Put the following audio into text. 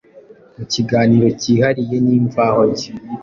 Mu kiganiro kihariye n’Imvaho Nshya,